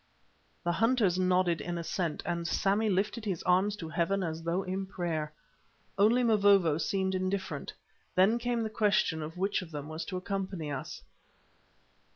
The hunters nodded in assent, and Sammy lifted his arms to Heaven as though in prayer. Only Mavovo seemed indifferent. Then came the question of which of them was to accompany us.